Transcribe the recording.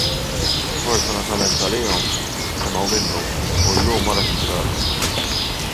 Sfortunatament għalihom semgħu minnu, u llum ara xi ġralhom!